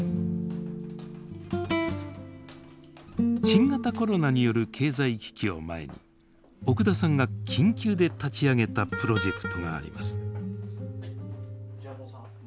新型コロナによる経済危機を前に奥田さんが緊急で立ち上げたプロジェクトがあります。